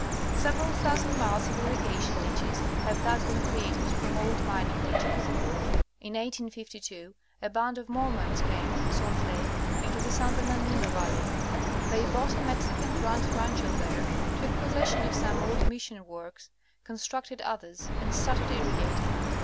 Several thousand miles of irrigation ditches have thus been created from old mining ditches. In 1852, a band of Mormons came from Salt Lake into the San Bernardino valley ; they bought a Mexican grant rancho there, took possession of some old mission works, constructed others and started irrigating.